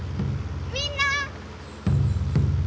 みんな！